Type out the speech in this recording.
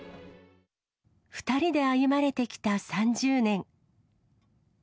２人で歩まれてきた３０年。